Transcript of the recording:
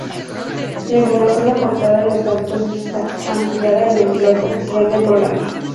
La información aportada en los capítulos está ampliada en el blog oficial del programa.